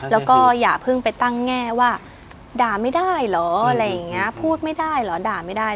แล้วก็อย่าเพิ่งไปตั้งแง่ว่าด่าไม่ได้หรอพูดไม่ได้หรอด่าไม่ได้